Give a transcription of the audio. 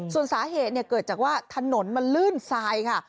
ส่วนสาเหตุเกิดจากว่าถนนมันลื่นทรายค่ะ